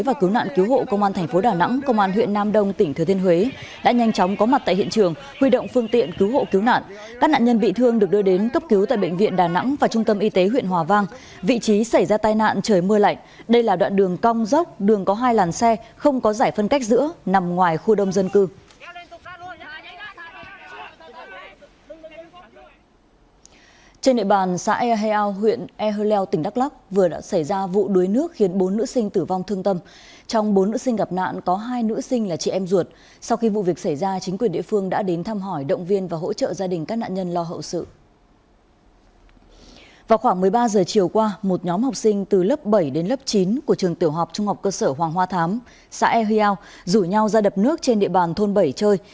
vào khoảng một mươi ba h chiều qua một nhóm học sinh từ lớp bảy đến lớp chín của trường tiểu học trung học cơ sở hoàng hoa thám xã e huy ao rủ nhau ra đập nước trên địa bàn thôn bảy chơi